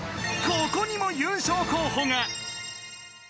［ここにも優勝候補が］